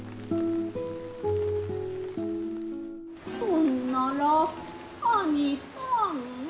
「そんなら兄さん」。